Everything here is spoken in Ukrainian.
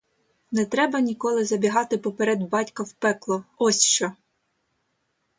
Не треба ніколи забігати поперед батька в пекло, ось що!